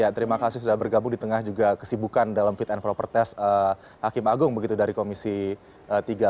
ya terima kasih sudah bergabung di tengah juga kesibukan dalam fit and proper test hakim agung begitu dari komisi tiga